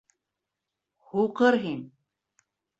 Һуҡыр һин!